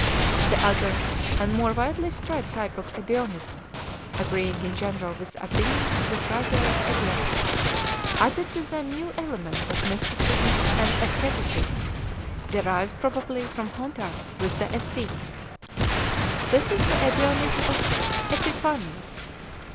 The other and more widely spread type of Ebionism, agreeing in general with the opinions of the Pharisaic Ebionites, added to them new elements of mysticism and asceticism derived probably from contact with the Essenes 1 . This is the Ebionism of Epiphanius.